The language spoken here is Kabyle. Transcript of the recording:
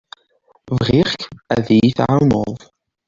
Bɣiɣ-k ad iyi-tɛawneḍ.